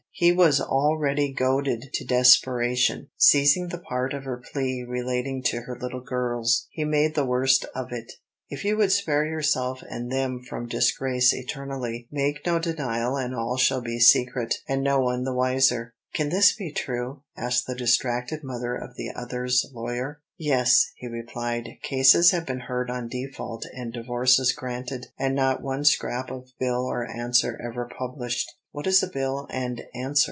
He was already goaded to desperation. Seizing the part of her plea relating to her little girls, he made the worst of it. "If you would spare yourself and them from disgrace eternally, make no denial and all shall be secret, and no one the wiser." "Can this be true?" asked the distracted mother of the other's lawyer. "Yes," he replied, cases have been heard on default and divorces granted, and not one scrap of bill or answer ever published. "What is a bill and answer?"